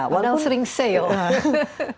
padahal sering sale